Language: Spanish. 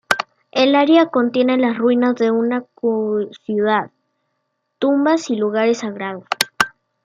El área contiene las ruinas de una ciudad, tumbas y lugares sagrados.